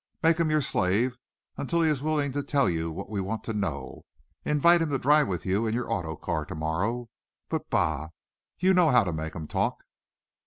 Make him your slave, until he is willing to tell all that we want to know. Invite him to drive with you in your auto car to morrow. But, bah! You will know how to make him talk!"